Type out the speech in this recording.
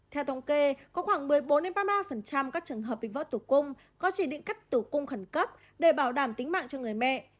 theo thông kê có khoảng một mươi bốn ba mươi ba các trường hợp bị vớt tử cung có chỉ định cắt tủ cung khẩn cấp để bảo đảm tính mạng cho người mẹ